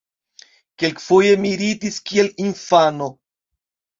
Kelkfoje mi ridis kiel infano.